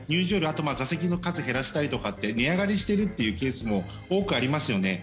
あと座席の数減らしたりとかって値上がりしてるというケースも多くありますよね。